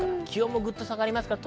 気温もグッと下がります。